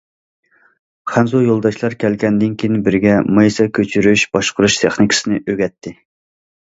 خەنزۇ يولداشلار كەلگەندىن كېيىن بىرگە مايسا كۆچۈرۈش، باشقۇرۇش تېخنىكىسىنى ئۆگەتتى.